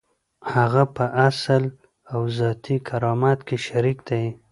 هغه په اصلي او ذاتي کرامت کې شریک دی.